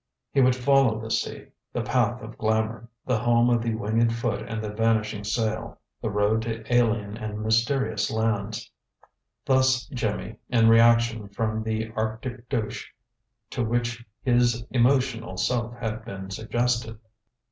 He would follow the sea, the path of glamour, the home of the winged foot and the vanishing sail, the road to alien and mysterious lands Thus Jimmy, in reaction from the Arctic douche to which his emotional self had been subjected.